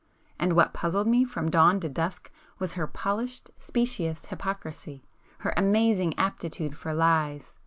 And what puzzled me from dawn to dusk was her polished, specious hypocrisy,—her amazing aptitude for lies!